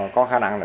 có khả năng là